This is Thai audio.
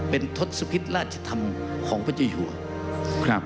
เป็นทศพิษราชธรรมของพระเจ้าหยังครับ